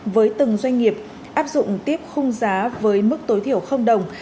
với từng doanh nghiệp áp dụng tiếp khung giá với mức tối thiểu đồng